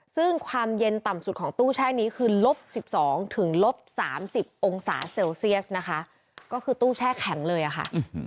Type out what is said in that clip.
ซึ่งความเย็นต่ำสุดของตู้แช่นี้คือลบ๑๒ถึงลบ๓๐องศาเซลเซียสนะคะก็คือตู้แช่แข็งเลยอะค่ะ